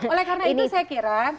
oleh karena itu saya kira